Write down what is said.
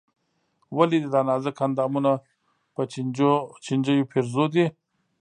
ولې دې دا نازک اندامونه په چينجيو پېرزو دي.